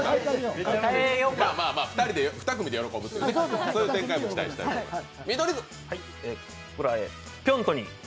２組で喜ぶという、そういう展開も期待しています。